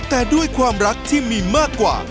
แต่ด้วยความรักที่มีมากกว่า